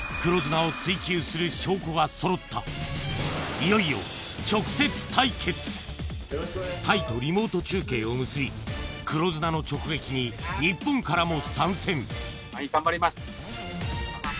いよいよタイとリモート中継を結び黒ズナの直撃に日本からも参戦